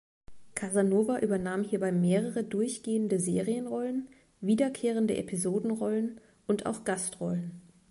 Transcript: Casanova übernahm hierbei mehrere durchgehende Serienrollen, wiederkehrende Episodenrollen und auch Gastrollen.